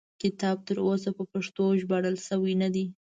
کتاب تر اوسه په پښتو ژباړل شوی نه دی.